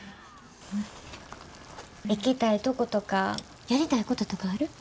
行きたいとことかやりたいこととかある？